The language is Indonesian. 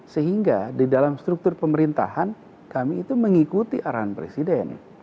sehingga di dalam struktur pemerintahan kami itu mengikuti arahan presiden